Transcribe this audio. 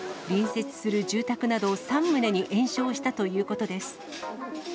隣接する住宅など３棟に延焼したということです。